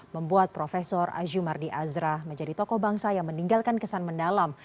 membuat prof azumardi azra menjadi tokoh bangsa yang meninggalkan kesan mendalam